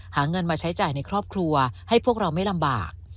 หาเงินมาใช้จ่ายในครอบครัวให้พวกเราไม่ลำบาก